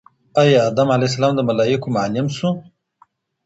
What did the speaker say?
آيا ادم ع د ملائکو معلم سو؟